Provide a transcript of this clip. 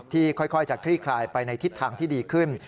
ค่อยจะคลี่คลายไปในทิศทางที่ดีขึ้น